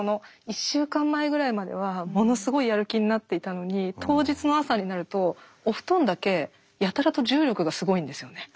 １週間前ぐらいまではものすごいやる気になっていたのに当日の朝になるとお布団だけやたらと重力がすごいんですよね。